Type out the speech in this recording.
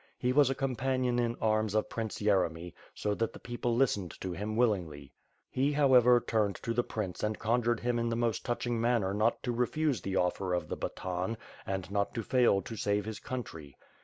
He was a companion in arms of Prince Yeremy, so that the people list ened to him willingly. "He, however, turned to the prince and conjured him in the most touching manner not to refuse the offer of the baton and not to fail to save his country.